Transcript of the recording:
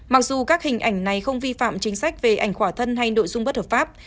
mặc dù các hình ảnh này không vi phạm chính sách về ảnh khỏa thân hay nội dung bất hợp pháp